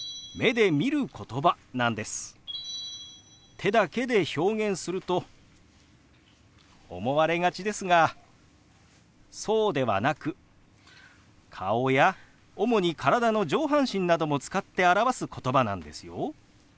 手だけで表現すると思われがちですがそうではなく顔や主に体の上半身なども使って表すことばなんですよ。